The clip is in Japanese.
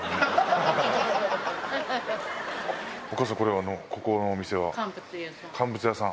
お母さん、これ、ここのお店乾物屋さん。